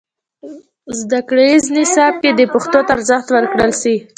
زدهکړیز نصاب کې دې پښتو ته ارزښت ورکړل سي.